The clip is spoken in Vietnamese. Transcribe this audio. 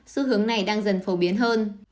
xu hướng này đang dần phổ biến hơn